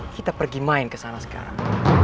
kita pergi main kesana sekarang